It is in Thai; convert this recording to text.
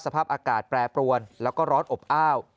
สภาพอากาศแปรปรวนแล้วก็ร้อนอบอ้าว